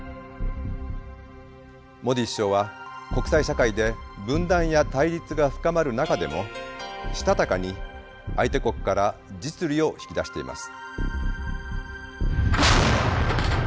モディ首相は国際社会で分断や対立が深まる中でもしたたかに相手国から実利を引き出しています。